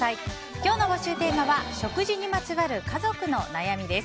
今日の募集テーマは食事にまつわる家族の悩みです。